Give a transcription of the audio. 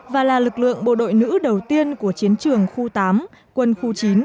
và là lực lượng bộ đội nữ đầu tiên của chiến trường khu tám quân khu chín